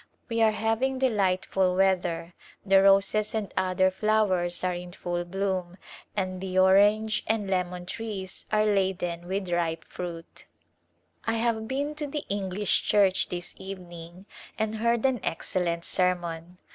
We are having delightful weather. The roses and other flowers are in full bloom and the orange and lemon trees are laden with ripe fruit. A Glimpse of India I have been to the English Church this evening and heard an excellent sermon.